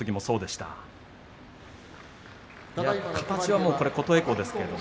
ただ形は琴恵光ですけれども。